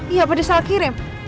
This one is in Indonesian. iya pada saat kirim